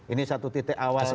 ini satu titik awal